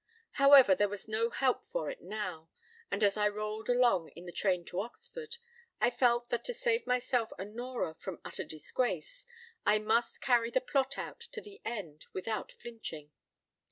However, there was no help for it now; and as I rolled along in the train to Oxford, I felt that to save myself and Nora from utter disgrace, I must carry the plot out to the end without flinching.